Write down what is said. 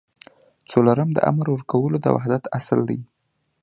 څلورم د امر ورکولو د وحدت اصل دی.